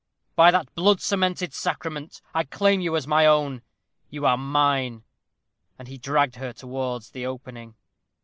By that blood cemented sacrament, I claim you as my own. You are mine." And he dragged her towards the opening.